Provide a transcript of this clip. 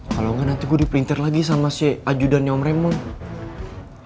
kalo gak nanti gue dipelintir lagi sama si ajudannya om raymond